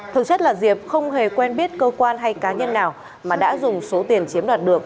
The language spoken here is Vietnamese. thực chất là diệp không hề quen biết cơ quan hay cá nhân nào mà đã dùng số tiền chiếm đoạt được